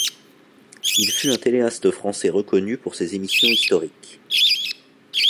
Il fut un téléaste français reconnu pour ses émissions historiques.